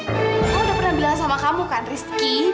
saya udah pernah bilang sama kamu kan rizky